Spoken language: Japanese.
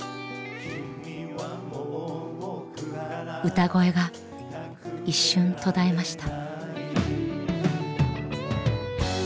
歌声が一瞬途絶えました。